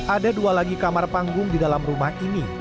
ada dua lagi kamar panggung di dalam rumah ini